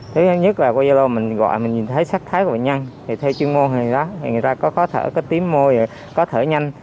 thứ nhất là qua gia lô mình gọi mình nhìn thấy sắc thái của bệnh nhân thì theo chuyên môn này đó người ta có khó thở có tím môi có thở nhanh